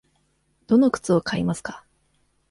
どの靴を買いますか。